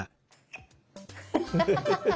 ハハハハ。